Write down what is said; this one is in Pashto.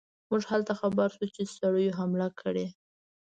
موږ هلته خبر شو چې سړیو حمله کړې.